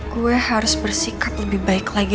gue harus bersikap lebih baik lagi